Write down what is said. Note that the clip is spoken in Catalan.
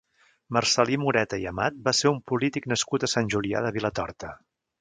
Marcel·lí Moreta i Amat va ser un polític nascut a Sant Julià de Vilatorta.